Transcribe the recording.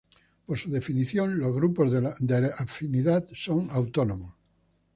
Por su definición, los grupos de la afinidad son autónomos.